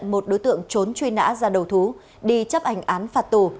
một đối tượng trốn truy nã ra đầu thú đi chấp hành án phạt tù